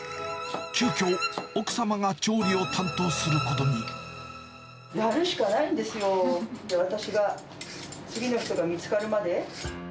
急きょ、奥様が調理を担当するこやるしかないんですよ、私が、次の人が見つかるまで。